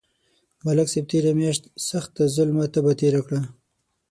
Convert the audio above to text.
ملک صاحب تېره میاشت سخته ظلمه تبه تېره کړه.